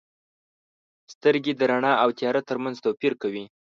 • سترګې د رڼا او تیاره ترمنځ توپیر کوي.